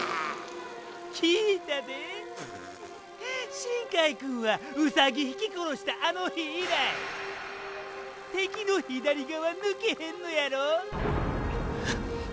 新カァイくんはうさぎひき殺したあの日以来敵の左側抜けへんのやろ。